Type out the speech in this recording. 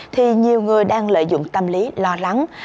thì nhiều người đang lợi dụng tâm lý lo lắng